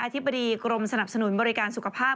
ธิบดีกรมสนับสนุนบริการสุขภาพ